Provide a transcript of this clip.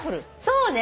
そうね。